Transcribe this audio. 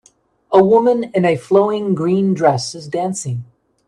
A woman in a flowing green dress is dancing.